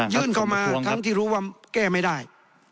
ยื่นเข้ามาทั้งที่รู้ว่าแก้ไม่ได้